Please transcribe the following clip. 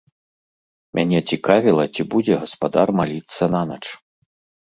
Мяне цікавіла, ці будзе гаспадар маліцца нанач.